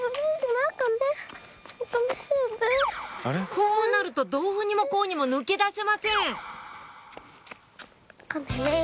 こうなるとどうにもこうにも抜け出せません